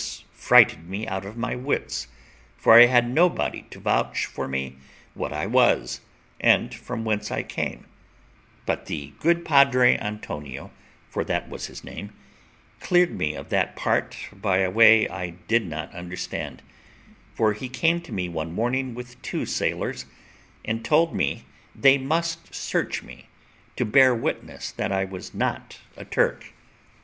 This frighted me out of my wits, for I had nobody to vouch for me what I was, or from whence I came; but the good Padre Antonio, for that was his name, cleared me of that part by a way I did not understand; for he came to me one morning with two sailors, and told me they must search me, to bear witness that I was not a Turk.